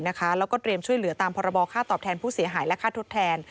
แล้วก็เตรียมช่วยเหลือตามพรบค่าตอบแทนผู้เสียหายและค่าทดแทน